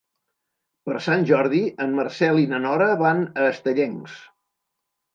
Per Sant Jordi en Marcel i na Nora van a Estellencs.